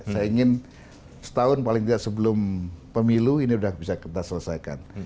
saya ingin setahun paling tidak sebelum pemilu ini sudah bisa kita selesaikan